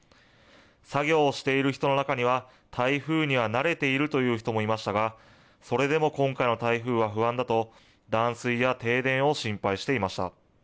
作業をしている人の中には、台風には慣れているという人もいましたが、それでも今回の台風は不安だと、断水や停電を心配していました。